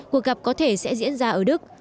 cuộc gặp có thể sẽ diễn ra ở đức